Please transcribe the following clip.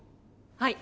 はい。